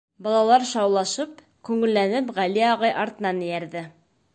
Балалар шаулашып, күңелләнеп Ғәли ағай артынан эйәрҙе.